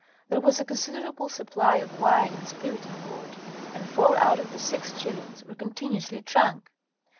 There was a considerable supply of wine and spirits on board, and four out of the six Chilians were continuously drunk.